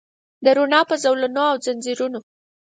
د روڼا په زولنو او ځنځیرونو